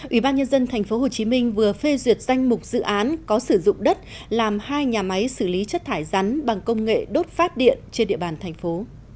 ủy ban nhân dân tp hcm vừa phê duyệt danh mục dự án có sử dụng đất làm hai nhà máy xử lý chất thải rắn bằng công nghệ đốt phát điện trên địa bàn thành phố